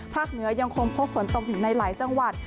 เหนือยังคงพบฝนตกอยู่ในหลายจังหวัด